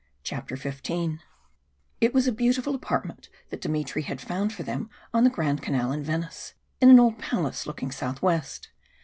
CHAPTER XV It was a beautiful apartment that Dmitry had found for them on the Grand Canal in Venice, in an old palace looking southwest.